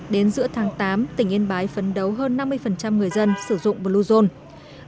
đến giữa tháng tám tỉnh yên bái phấn đấu hơn năm mươi người dân sử dụng bluezone